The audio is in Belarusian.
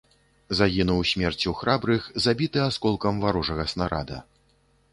Загінуў смерцю храбрых, забіты асколкам варожага снарада.